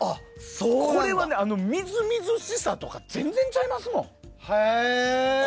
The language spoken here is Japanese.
これはね、みずみずしさとか全然違いますもん。